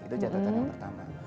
itu catatan yang pertama